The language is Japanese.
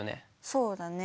そうだね。